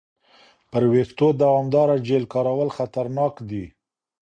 پر وېښتو دوامداره جیل کارول خطرناک دي.